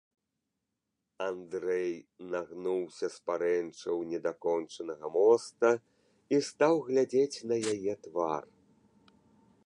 Андрэй нагнуўся з парэнчаў недакончанага моста і стаў глядзець на яе твар.